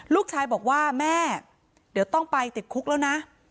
ลูกชายบอกว่าแม่เดี๋ยวต้องไปติดคุกแล้วนะ